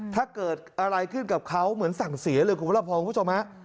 ถ้าเกิดอะไรขึ้นกับเขาเหมือนสั่งเสียเลยคุณพระพรคุณผู้ชมฮะ